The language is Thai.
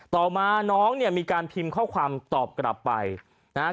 ต่อมาน้องเนี่ยมีการพิมพ์ข้อความตอบกลับไปนะฮะ